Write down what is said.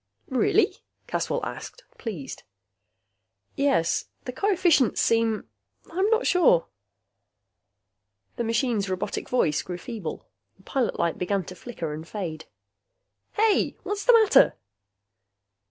"Really?" Caswell asked, pleased. "Yes. The coefficients seem I'm not sure...." The machine's robotic voice grew feeble. The pilot light began to flicker and fade. "Hey, what's the matter?"